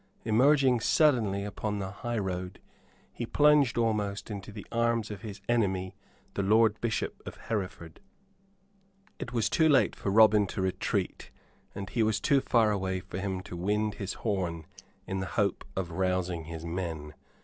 Emerging suddenly upon the high road, he plunged almost into the arms of his enemy, the Lord Bishop of Hereford. It was too late for Robin to retreat, and he was too far away for him to wind his horn in the hope of rousing his men.